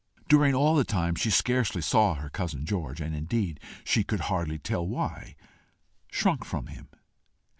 During all the time she scarcely saw her cousin George, and indeed, she could hardly tell why, shrunk from him.